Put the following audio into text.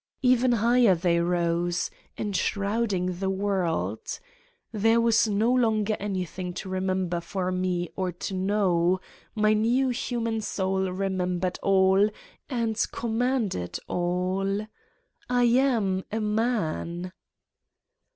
Even higher they rose/, enshrouding the 162 Satan's Diary world. There was no longer anything to remem ber for me or to know: my new human soul re membered all and commanded all. I am a man!